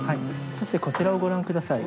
そしてこちらをご覧下さい。